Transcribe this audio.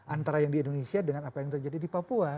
antara yang di indonesia dengan apa yang terjadi di papua